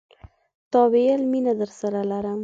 تا ویل، مینه درسره لرم